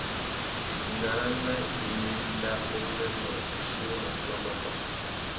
Idinga râmê i mà enda ungüêndô wuchiuwú matiō mábá.